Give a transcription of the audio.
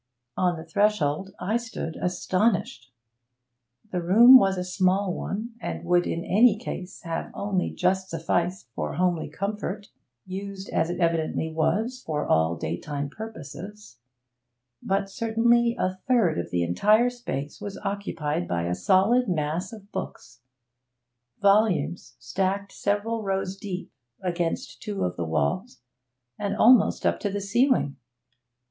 On the threshold I stood astonished. The room was a small one, and would in any case have only just sufficed for homely comfort, used as it evidently was for all daytime purposes; but certainly a third of the entire space was occupied by a solid mass of books, volumes stacked several rows deep against two of the walls and almost up to the ceiling.